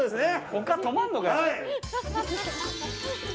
他、止まるのかよ。